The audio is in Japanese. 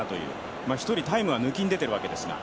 １人タイムは抜きに出てるわけです。